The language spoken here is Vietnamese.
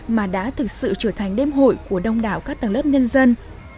mà đã thực sự trở thành đêm hội của đông đảo các tầng lớp nhân dân